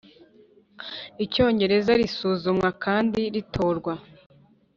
Icyongereza risuzumwa kandi ritorwa